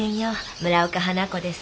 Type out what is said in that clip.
村岡花子です。